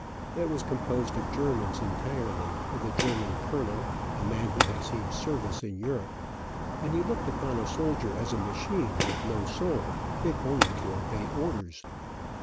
It was composed of Germans entirely, with a German colonel, a man who had seen service in Europe, and he looked upon a soldier as a machine, with no soul, fit only to obey orders.